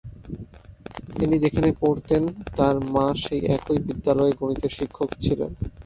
তিনি যেখানে পড়তেন, তাঁর মা সেই একই বিদ্যালয়ে গণিতের শিক্ষক ছিলেন।